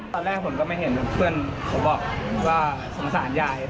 ตอนแรกผมก็ไม่เห็นเพื่อนเขาบอกว่าสงสารยาย